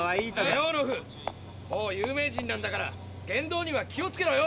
もう有名人なんだから言動には気をつけろよ。